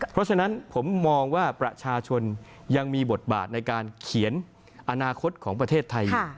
เพราะฉะนั้นผมมองว่าประชาชนยังมีบทบาทในการเขียนอนาคตของประเทศไทยอยู่